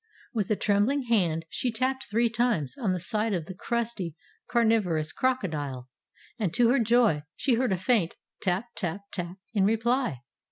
With a trembling hand, she tapped three times on the side of the crusty, carnivorous crocodile. And, to her joy, she heard a faint tap, tap, tap, in reply.